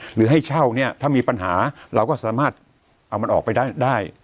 หรือให้เช่าเนี่ยถ้ามีปัญหาเราก็สามารถเอามันออกไปได้